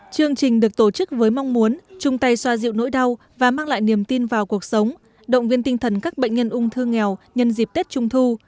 chương trình được tổ chức với mong muốn chung tay xoa dịu nỗi đau và mang lại niềm tin vào cuộc sống động viên tinh thần các bệnh nhân ung thư nghèo nhân dịp tết trung thu